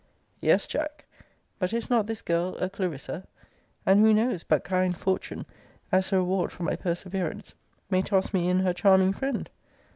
Yes, Jack But is not this girl a CLARISSA? And who knows, but kind fortune, as a reward for my perseverance, may toss me in her charming friend?